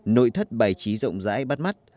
nội thất bài trí rộng rãi bắt mắt